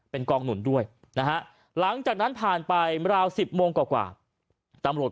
เป็นกองหนุนด้วยนะฮะหลังจากนั้นผ่านไปราว๑๐โมงกว่าตำรวจ